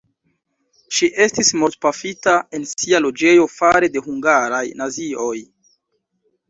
Ŝi estis mortpafita en sia loĝejo fare de hungaraj nazioj.